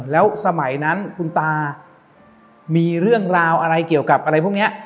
แล้วสมัยนั้นคุณตามีเรื่องราวอะไรเกี่ยวกับอะไรพวกนี้